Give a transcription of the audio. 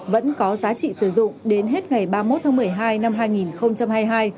vẫn có giá trị sử dụng đến hết ngày ba mươi một tháng một mươi hai năm hai nghìn hai mươi hai